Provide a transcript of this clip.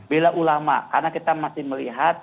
bela ulama karena kita masih melihat